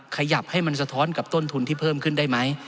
ขยับให้มันสะท้อนกับต้นทุนที่เพิ่มขึ้นได้ไหม